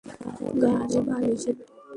ঘাড়ে বালিশের তুলা।